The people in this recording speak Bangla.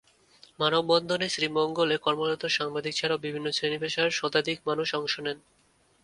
মানববন্ধনে শ্রীমঙ্গলে কর্মরত সাংবাদিক ছাড়াও বিভিন্ন শ্রেণী-পেশার শতাধিক মানুষ অংশ নেন।